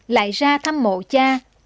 lại ra thăm mộ cha